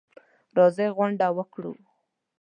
راځئ غونډه وکړو.